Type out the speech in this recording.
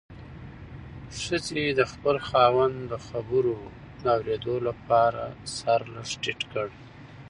ښځې د خپل خاوند د خبرو په اورېدو خپل سر لږ ټیټ کړ.